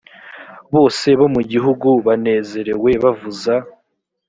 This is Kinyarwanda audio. bose bo mu gihugu banezerewe bavuza